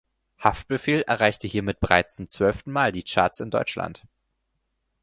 Haftbefehl erreichte hiermit bereits zum zwölften Mal die Charts in Deutschland.